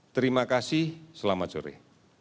terima kasih selamat sore